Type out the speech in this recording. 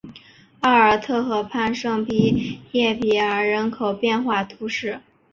奥尔特河畔圣皮耶尔人口变化图示